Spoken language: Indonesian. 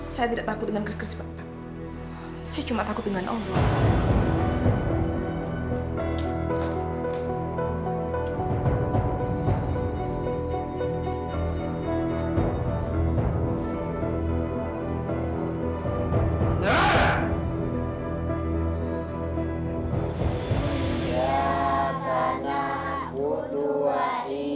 saya tidak takut dengan keris keris bapak saya cuma takut dengan allah